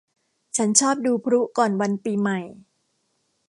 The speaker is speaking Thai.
ฉันชอบดูพลุก่อนวันปีใหม่